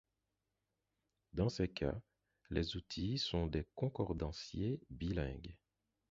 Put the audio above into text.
Dans ces cas, les outils sont des concordanciers bilingues.